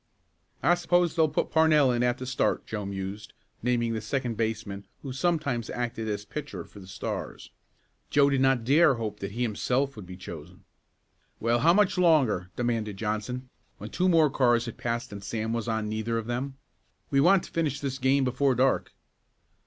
"I suppose they'll put Parnell in at the start," Joe mused, naming the second baseman who sometimes acted as pitcher for the Stars. Joe did not dare hope that he himself would be chosen. "Well, how much longer?" demanded Johnson, when two more cars had passed and Sam was on neither of them. "We want to finish this game before dark."